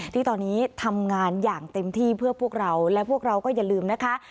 ที่ตอนนี้ทำงานอย่างเต็มที่เพื่อพวกเราและพวกเราก็อย่าลืมนะคะ